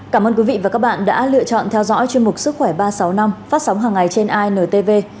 cảm ơn quý vị và các bạn đã lựa chọn theo dõi chuyên mục sức khỏe ba trăm sáu mươi năm phát sóng hàng ngày trên intv